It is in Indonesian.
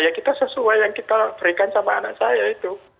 ya kita sesuai yang kita berikan sama anak saya itu